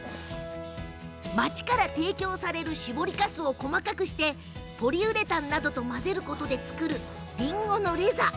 町から提供される搾りかすを細かくしてポリウレタンなどと混ぜることで作る、りんごのレザー。